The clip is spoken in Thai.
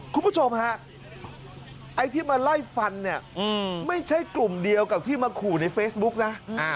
คุณผู้ชมฮะไอ้ที่มาไล่ฟันเนี่ยไม่ใช่กลุ่มเดียวกับที่มาขู่ในเฟซบุ๊กนะ